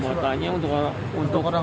buatannya untuk orang